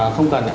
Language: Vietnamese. không cần ạ